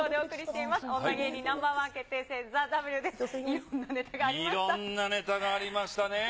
いろんなネタがありましたね。